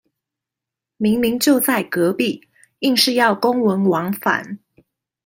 明明就在隔壁，硬是要公文往返